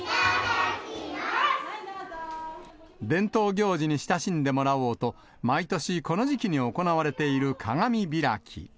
伝統行事に親しんでもらおうと、毎年この時期に行われている鏡開き。